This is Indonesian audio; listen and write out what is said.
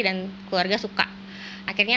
dan keluarga suka akhirnya